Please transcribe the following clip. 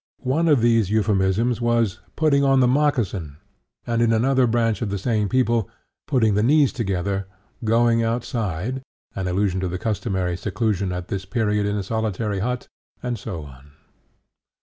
137), one of these euphemisms was "putting on the moccasin," and in another branch of the same people, "putting the knees together," "going outside" (in allusion to the customary seclusion at this period in a solitary hut), and so on.